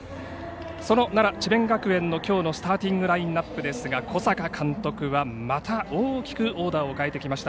その奈良智弁学園のきょうのスターティングラインナップですが小坂監督は、また大きくオーダーを変えてきました。